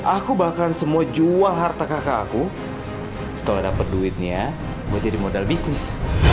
aku bakalan semua jual harta kakak aku setelah dapat duitnya gue jadi modal bisnis